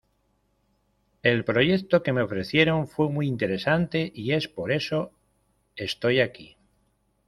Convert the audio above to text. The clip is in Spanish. El proyecto que me ofrecieron fue muy interesante y es por eso estoy aquí.